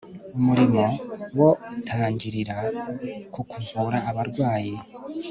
umurimo wo utangirira ku kuvura abarwayi